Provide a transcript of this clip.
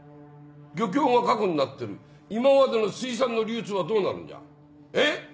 漁協が核になってる今までの水産の流通はどうなるんじゃえぇ？